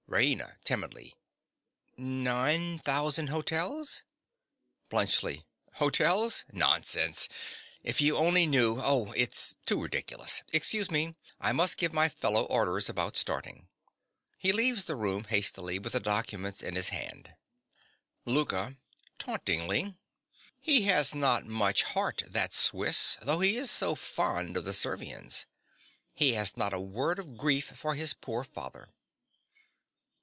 RAINA. (timidly). Nine thousand hotels? BLUNTSCHLI. Hotels! Nonsense. If you only knew!—oh, it's too ridiculous! Excuse me: I must give my fellow orders about starting. (He leaves the room hastily, with the documents in his hand.) LOUKA. (tauntingly). He has not much heart, that Swiss, though he is so fond of the Servians. He has not a word of grief for his poor father.